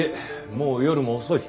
もう夜も遅い。